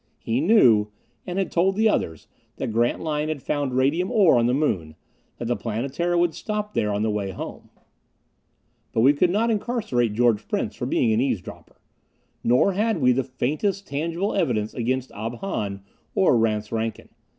He knew, and had told the others, that Grantline had found radium ore on the Moon that the Planetara would stop there on the way home. But we could not incarcerate George Prince for being an eavesdropper. Nor had we the faintest tangible evidence against Ob Hahn or Rance Rankin.